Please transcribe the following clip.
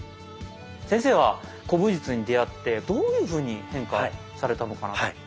先生は古武術に出会ってどういうふうに変化されたのかなと？